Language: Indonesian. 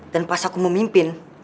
dan pas aku memimpin